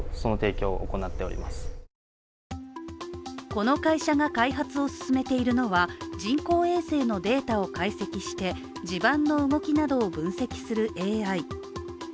この会社が開発を進めているのは人工衛星のデータを解析して地盤の動きなどを分析するＡＩ。